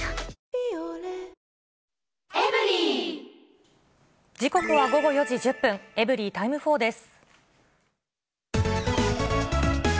「ビオレ」時刻は午後４時１０分、エブリィタイム４です。